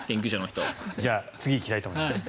じゃあ次に行きたいと思います。